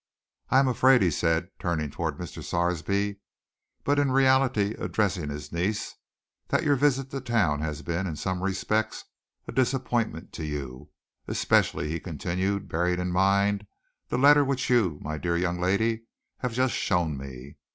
"I am afraid," he said, turning toward Mr. Sarsby, but in reality addressing his niece, "that your visit to town has been, in some respects, a disappointment to you, especially," he continued, "bearing in mind the letter which you, my dear young lady, have just shown me.